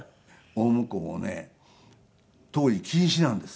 大向こうもね当時禁止なんです。